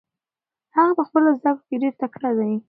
هغه په خپلو زده کړو کې ډېر تکړه دی.